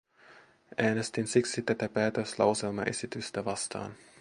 Äänestin siksi tätä päätöslauselmaesitystä vastaan.